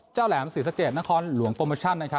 เจ้าแหลมศรีสะเกียจนครหลวงโปรเมอร์ชัน